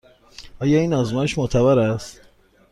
آیا این آزمایش معتبر است؟